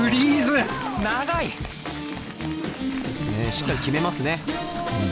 しっかり決めますね。